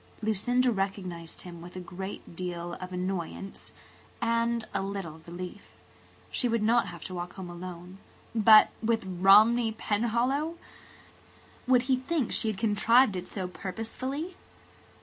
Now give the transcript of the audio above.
Lucinda recognized him with a great deal of annoyance and a little relief. She would not have to walk home alone. But with Romney Penhallow! Would he think she had contrived it so purposely?